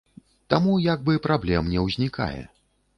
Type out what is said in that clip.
Таму, як бы, праблем не ўзнікае.